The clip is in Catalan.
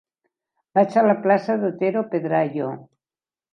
Vaig a la plaça d'Otero Pedrayo.